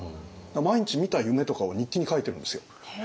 毎日見た夢とかを日記に書いているんですよ。